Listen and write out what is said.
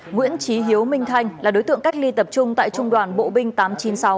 nguyễn trí hiếu minh thanh là đối tượng cách ly tập trung tại trung đoàn bộ binh tám trăm chín mươi sáu